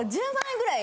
ぐらい